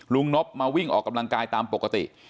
นบมาวิ่งออกกำลังกายตามปกติ